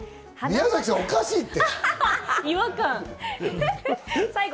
宮崎さん、おかしいって！